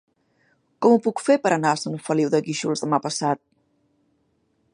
Com ho puc fer per anar a Sant Feliu de Guíxols demà passat?